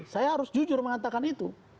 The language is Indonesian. saya harus jujur mengatakan itu